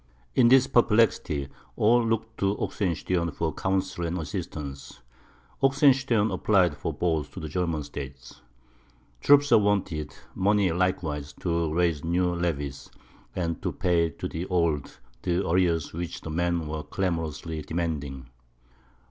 In this perplexity, all looked to Oxenstiern for counsel and assistance; Oxenstiern applied for both to the German States. Troops were wanted; money likewise, to raise new levies, and to pay to the old the arrears which the men were clamorously demanding.